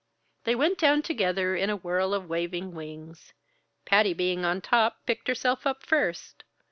They went down together in a whirl of waving wings. Patty being on top picked herself up first.